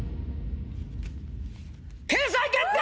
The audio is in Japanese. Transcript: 掲載決定！